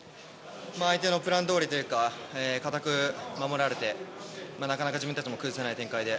相手のプランどおりというか堅く守られて、なかなか自分たちも崩せない展開で。